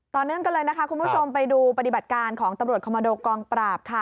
ตอนนั้นก็เลยคุณผู้ชมไปดูปฏิบัติการของตำรวจคอมมัโดกองปราบ